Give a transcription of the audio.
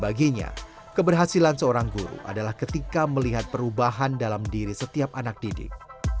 baginya keberhasilan seorang guru adalah ketika melihat perubahan dalam diri setiap anak didik